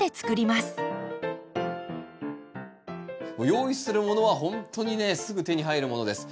用意するものはほんとにねすぐ手に入るものです。